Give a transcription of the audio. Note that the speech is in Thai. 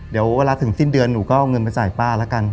เดี๋ยวเวลาถึงสิ้นเดือนหนูก็เอาเงินไปจ่ายป้าแล้วกัน